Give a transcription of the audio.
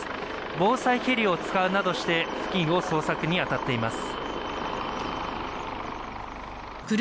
防災ヘリを使うなどして付近の捜索に当たっています。